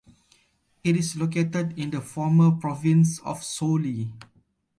It is located in the former province of Soule.